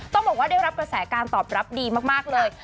ต้องบอกว่าได้รับกระแสการตอบรับดีมากเลย